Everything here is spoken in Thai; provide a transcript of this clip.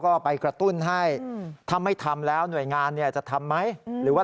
ก็ไปกระตุ้นให้ถ้าไม่ทำแล้วหน่วยงานเนี่ยจะทำไหมหรือว่า